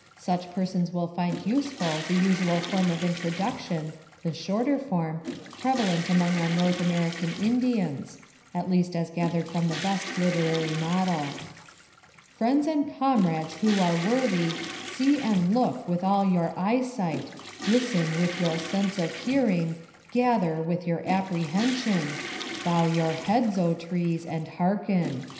Such persons will find useful the usual form of introduction (the shorter form) prevalent among our North American Indians (at least as gathered from the best literary model): "Friends and comrades who are worthy, See and look with all your eyesight, Listen with your sense of hearing, Gather with your apprehension Bow your heads, O trees, and hearken.